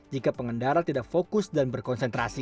jika pengendara tidak fokus dan berkonsentrasi